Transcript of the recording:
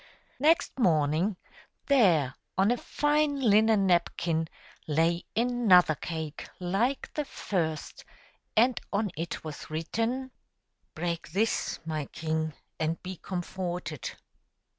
Next morning there, on a fine linen napkin, lay another cake like the first, and on it was written :" Break this, my king, and be comforted."